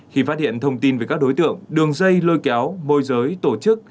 khi phát hiện thông tin về các đối tượng đường dây lôi kéo môi giới tổ chức